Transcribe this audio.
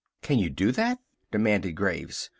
"Can you do that?" demanded Graves.